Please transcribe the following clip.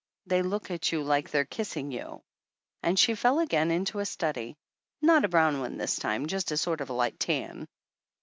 They look at you like they're kissing you !" And she fell again into a study, not a brown one this time, just a sort of light tan.